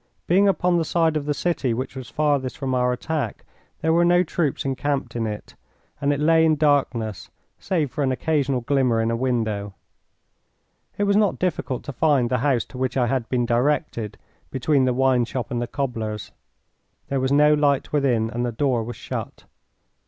Being upon the side of the city which was farthest from our attack, there were no troops encamped in it, and it lay in darkness, save for an occasional glimmer in a window. It was not difficult to find the house to which I had been directed, between the wine shop and the cobbler's. There was no light within and the door was shut.